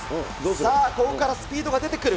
さあ、ここからスピードが出てくる。